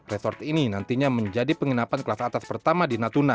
resort ini nantinya menjadi penginapan kelas atas pertama di natuna